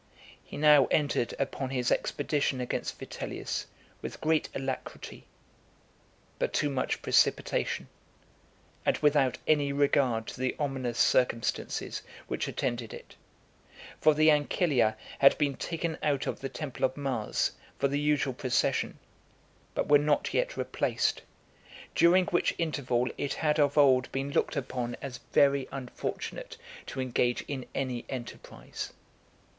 He now entered upon his expedition against Vitellius with great alacrity, but too much precipitation, and without any regard to the ominous circumstances which attended it. For the Ancilia had been taken out of the temple of Mars, for the usual procession, but were not yet replaced; during which interval it had of old been looked upon as very unfortunate to engage in any enterprise.